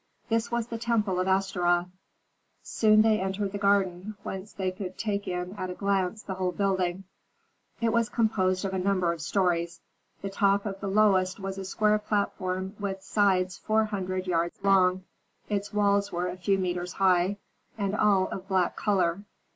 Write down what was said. This was the temple of Astaroth. Soon they entered the garden, whence they could take in at a glance the whole building. It was composed of a number of stories. The top of the lowest was a square platform with sides four hundred yards long; its walls were a few metres high, and all of black color.